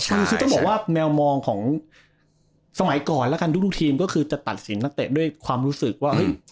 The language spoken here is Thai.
คือต้องบอกว่าแนวมองของสมัยก่อนแล้วกันทุกทีมก็คือจะตัดสินนักเตะด้วยความรู้สึกว่าเฮ้ย